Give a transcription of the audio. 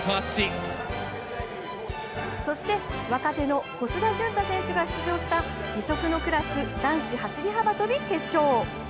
そして若手の小須田潤太選手が出場した義足のクラス男子走り幅跳び決勝。